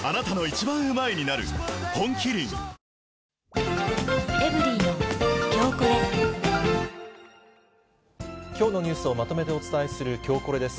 本麒麟きょうのニュースをまとめてお伝えするきょうコレです。